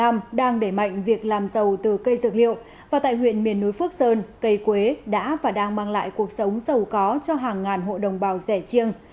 quảng nam đang để mạnh việc làm sầu từ cây dược liệu và tại huyện miền núi phước sơn cây quế đã và đang mang lại cuộc sống sầu có cho hàng ngàn hộ đồng bào rẻ chiêng